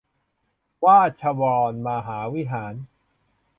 ราชวรมหาวิหาร